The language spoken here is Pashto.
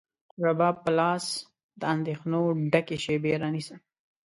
رباب په لاس، د اندېښنو ډکې شیبې رانیسم